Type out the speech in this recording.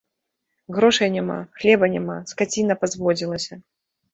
Грошай няма, хлеба няма, скаціна пазводзілася.